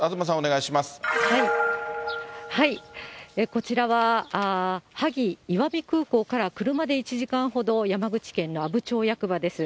こちらは、萩空港から車で１時間ほど、山口県の阿武町役場です。